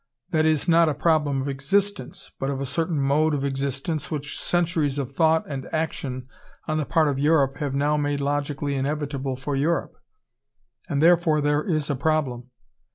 That is not a problem of existence, but of a certain mode of existence which centuries of thought and action on the part of Europe have now made logically inevitable for Europe. And therefore there is a problem.